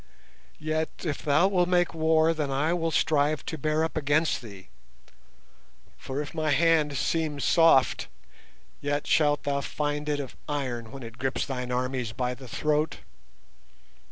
Yet if thou wilt make war, then will I strive to bear up against thee, for if my hand seem soft, yet shalt thou find it of iron when it grips thine armies by the throat.